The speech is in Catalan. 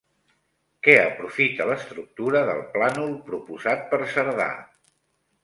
Què aprofita l'estructura del plànol proposat per Cerdà?